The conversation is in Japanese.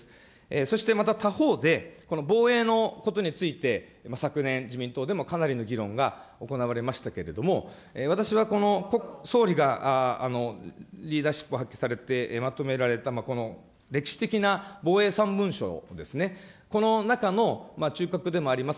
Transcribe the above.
そしてまた他方で、防衛のことについて、昨年、自民党でもかなりの議論が行われましたけれども、私はこの総理が、リーダーシップを発揮されてまとめられたこの歴史的な防衛３文書ですね、この中の中核でもあります